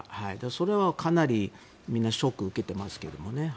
それはかなりみんなショックを受けていますけれどね。